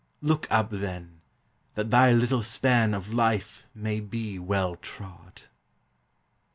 Look up then; that thy little span Of life may be well trod.